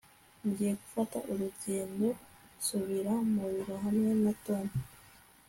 ngiye gufata urugendo nsubira mu biro hamwe na tom